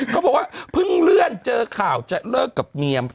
เขาบอกว่าเพิ่งเลื่อนเจอข่าวจะเลิกกับเมีย